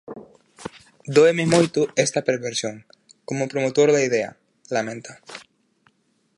Dóeme moito esta perversión, como promotor da idea, lamenta.